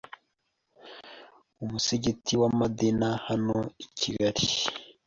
umusigiti wa Madina hano i Kigali